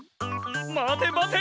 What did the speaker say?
まてまて！